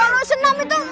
kalau senam itu